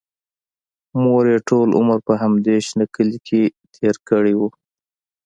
مور یې ټول عمر په همدې شنه کلي کې تېر کړی و